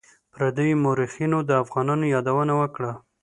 پردیو مورخینو د افغانانو یادونه کړې ده.